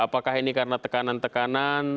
apakah ini karena tekanan tekanan